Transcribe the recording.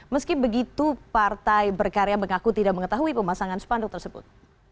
meski begitu partai berkarya mengaku tidak mengetahui pemasangan spanduk tersebut